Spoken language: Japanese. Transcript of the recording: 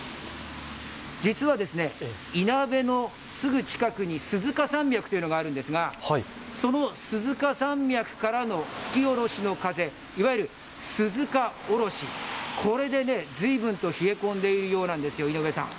実は、いなべのすぐ近くに鈴鹿山脈というのがあるんですがその鈴鹿山脈からの吹き下ろしの風、いわゆる鈴鹿おろしで随分冷え込んでいるようなんですよ。